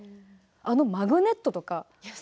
あのマグネットとか。